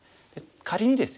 仮にですよ